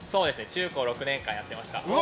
中高６年間やってました。